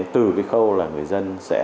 từ cái khâu là người dân sẽ